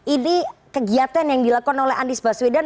ini kegiatan yang dilakukan oleh anies baswedan